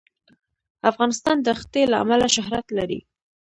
افغانستان د ښتې له امله شهرت لري.